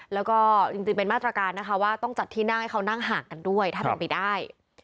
แล้วก็จริงเป็นมาตรการนะคะว่าต้องจัดที่นั่งให้เขานั่งห่างกันด้วยถ้าเป็นไปได้